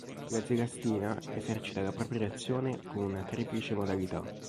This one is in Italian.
L'azelastina esercita la propria azione con una triplice modalità.